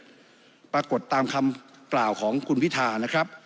ออกไปจนสำเร็จปรากฏตามคำกล่าวของคุณพิธานะครับ